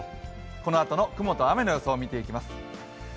このあとの雲と雨の予想を見ていきます。